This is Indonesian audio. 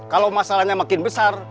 kalau masalahnya makin besar